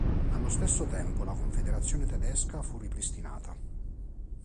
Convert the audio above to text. Allo stesso tempo la confederazione Tedesca fu ripristinata.